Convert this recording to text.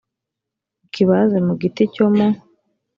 ukibaze mu giti cyo mu